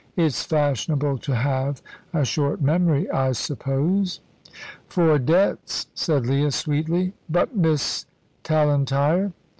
It's fashionable to have a short memory, I suppose." "For debts," said Leah, sweetly; "but Miss Tallentire?"